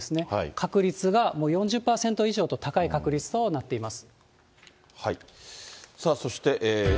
確率が４０％以上と高い確率となっています。